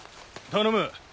頼む。